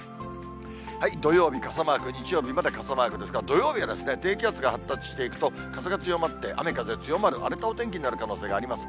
土曜日傘マーク、日曜日まで傘マークですが、土曜日は低気圧が発達していくと風が強まって、雨風強まる荒れたお天気になる可能性があります。